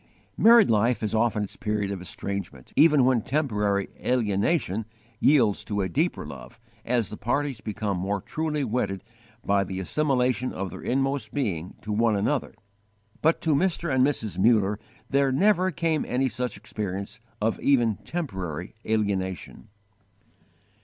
Married life has often its period of estrangement, even when temporary alienation yields to a deeper love, as the parties become more truly wedded by the assimilation of their inmost being to one another. But to Mr. and Mrs. Muller there never came any such experience of even temporary alienation.